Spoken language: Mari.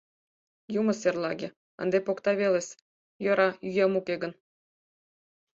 — Юмо серлаге, ынде покта вел-ыс. йӧра, йӱам уке гын.